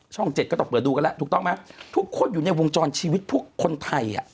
เจ็ดก็ต้องเปิดดูกันแล้วถูกต้องไหมทุกคนอยู่ในวงจรชีวิตพวกคนไทยอ่ะ